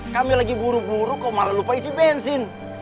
kami lagi buru buru kok malah lupa isi bensin